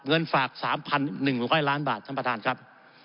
เงินฝาก๓๑๐๐ล้านบาทท่านประธานครับ